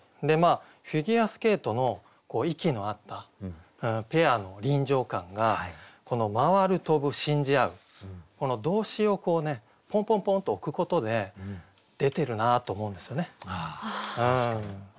フィギュアスケートの息の合ったペアの臨場感がこの「回る跳ぶ信じ合ふ」動詞をこうねポンポンポンと置くことで出てるなと思うんですよね。